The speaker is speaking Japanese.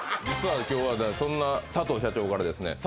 実は今日はそんな佐藤社長からですね